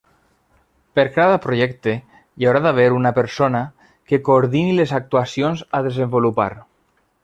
Per cada projecte hi haurà d'haver una persona que coordini les actuacions a desenvolupar.